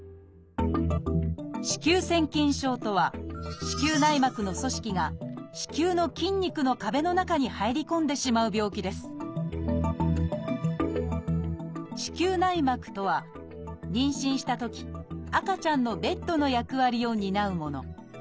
「子宮腺筋症」とは子宮内膜の組織が子宮の筋肉の壁の中に入り込んでしまう病気です子宮内膜とは妊娠したとき赤ちゃんのベッドの役割を担うもの。